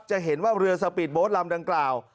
จะเห็นว่าเรือสปีดโบสต์ลำดังกล่าว